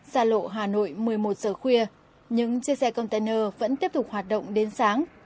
xa lộ hà nội một mươi một giờ khuya những chiếc xe container vẫn tiếp tục hoạt động đến sáng